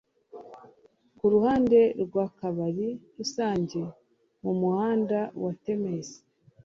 Kuruhande rwakabari rusange mumuhanda wa Thames